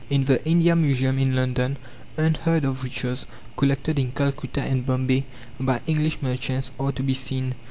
In the India Museum in London unheard of riches, collected in Calcutta and Bombay by English merchants, are to be seen.